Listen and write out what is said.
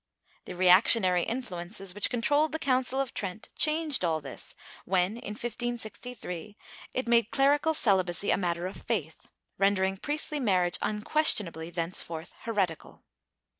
^ The reactionary influences which controlled the Council of Trent changed all this w^hen, in 1563, it made clerical celibacy a matter of faith, rendering priestly marriage unques tionably thenceforth heretical."